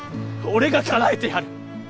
俺がかなえてやる！